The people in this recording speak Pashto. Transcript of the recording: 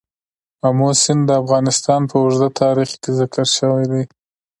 آمو سیند د افغانستان په اوږده تاریخ کې ذکر شوی دی.